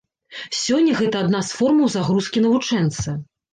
Сёння гэта адна з формаў загрузкі навучэнца.